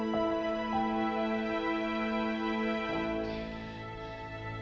bi cepetan dong